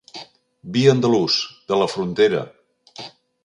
Vi andalús, de la Frontera.